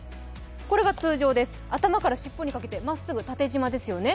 これが通常です、頭からしっぽにかけてまっすぐ縦縞ですよね。